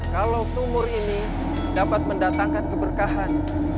kalau sumur ini dapat mendatangkan keberkahan